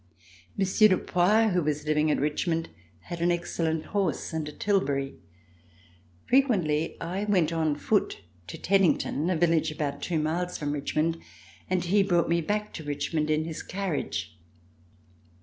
Monsieur de Poix, who was living at Richmond, had an excellent horse and a tilbury. Frequently I went on foot to Teddington, a village about two miles from Richmond, and he brought me back to Richmond in his carriage.